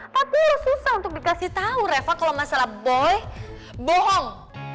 tapi lo susah untuk dikasih tau reva kalo masalah boy bohong